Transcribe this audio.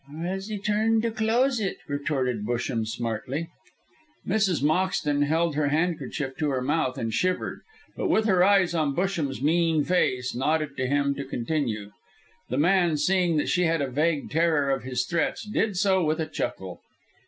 "Or as he turned to close it," retorted Busham, smartly. Mrs. Moxton held her handkerchief to her mouth and shivered, but with her eyes on Busham's mean face nodded to him to continue. The man, seeing that she had a vague terror of his threats, did so with a chuckle.